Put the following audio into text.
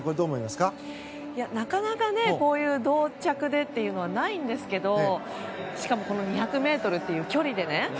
なかなか同着でというのはないんですけどしかも２００ｍという距離でね。